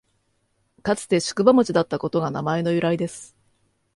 かつて宿場町だったことが名前の由来です